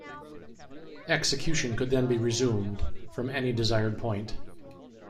Execution could then be resumed, from any desired point.